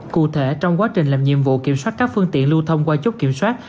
cụ thể trong quá trình làm nhiệm vụ kiểm soát các phương tiện lưu thông qua chốt kiểm soát